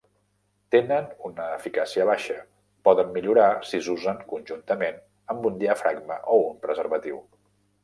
Tenen una eficàcia baixa; poden millorar si s'usen conjuntament amb un diafragma o un preservatiu.